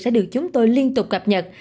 sẽ được chúng tôi liên tục gặp nhật